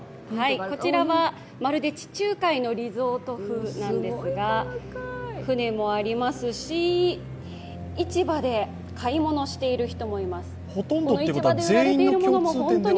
こちらはまるで地中海のリゾート風なんですが船もありますし、市場で買い物している人もいます。